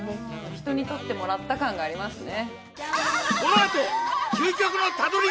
人に撮ってもらった感がありますね